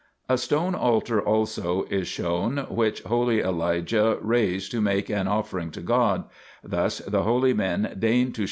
A stone altar also is shown which holy Elijah raised to make an offering to God ; thus the holy men deigned to show 1 i.